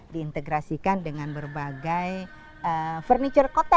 diintegrasikan dengan berbagai furniture kota